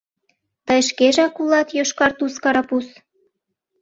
— Тый шкежак улат йошкар Туз-карапуз!